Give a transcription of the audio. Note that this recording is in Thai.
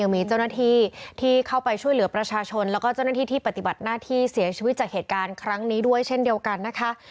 มีเจ้าหน้าที่ที่เข้าไปช่วยเหลือประชาชนแล้วก็เจ้าหน้าที่ที่ปฏิบัติหน้าที่เสียชีวิตจากเหตุการณ์ครั้งนี้ด้วยเช่นเดียวกันนะคะ